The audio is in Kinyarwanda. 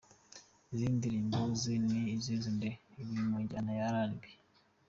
Izindi ndirimbo ze ni Nizere nde? Iri mu njyana ya R&B.